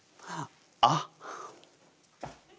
あっ！